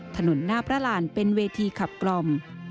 ถนนหน้าพระรานเป็นเวทีขับกล่อม